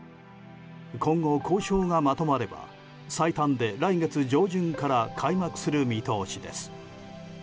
今後、交渉がまとまれば最短で来月上旬から開幕する見通しです。